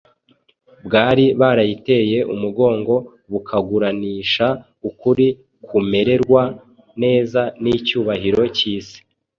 bwari barayiteye umugongo bukaguranisha ukuri kumererwa neza n’icyubahiro cy’isi.